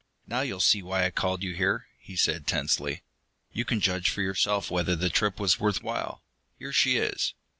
"Now you'll see why I called you here," he said tensely. "You can judge for yourself whether the trip was worth while. Here she is!"